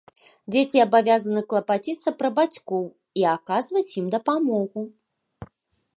Дзеці абавязаны клапаціцца пра бацькоў, і аказваць ім дапамогу.